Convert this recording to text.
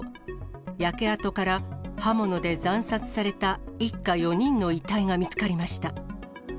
焼け跡から刃物で惨殺された一家４人の遺体が見つかりました。